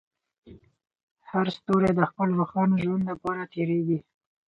هر ستوری د خپل روښانه ژوند لپاره تېرېږي.